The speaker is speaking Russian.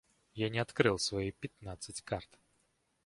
Я не открыл своих пятнадцать карт.